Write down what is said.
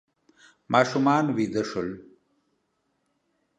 ماشومان ویده شول.